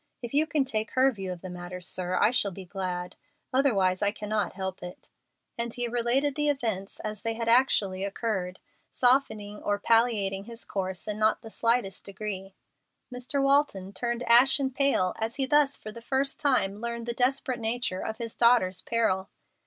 If you can take her view of the matter, sir, I shall be glad, otherwise I cannot help it;" and he related the events as they had actually occurred, softening or palliating his course in not the slightest degree. Mr. Walton turned ashen pale as he thus for the first time learned the desperate nature of his daughter's peril.